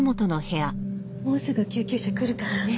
もうすぐ救急車来るからね。